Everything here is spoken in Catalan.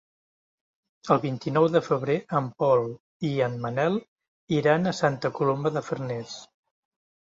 El vint-i-nou de febrer en Pol i en Manel iran a Santa Coloma de Farners.